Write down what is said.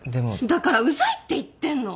だからウザいって言ってんの！